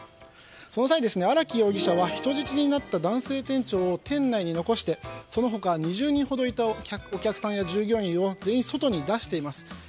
その際、荒木容疑者は人質になった男性店長を店内に残してその他、２０人ほどいたお客さんや従業員を全員外に出しています。